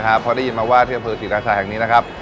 เพราะได้ยินมาว่าเที่ยวบริเวณสีราชาแห่งนี้นะครับ